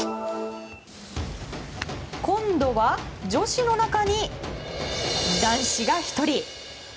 今度は、女子の中に男子が１人。